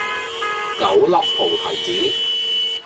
九粒菩提子